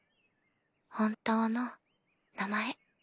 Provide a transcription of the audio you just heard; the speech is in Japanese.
本当の名前。